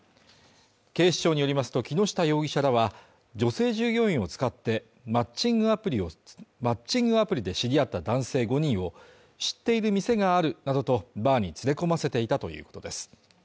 警視庁によりますと木下容疑者らは女性従業員を使ってマッチングアプリで知り合った男性５人を知っている店があるなどとバーに連れ込ませていたということです。